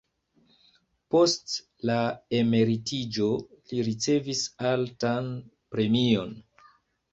Post la emeritiĝo li ricevis altan premion.